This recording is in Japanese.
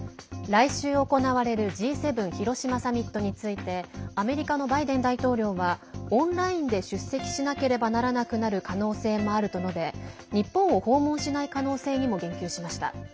来週行われるＧ７広島サミットについてアメリカのバイデン大統領はオンラインで出席しなければならなくなる可能性もあると述べ日本を訪問しない可能性にも言及しました。